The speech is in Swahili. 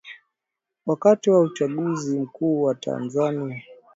Wakati wa uchaguzi mkuu wa Tanzania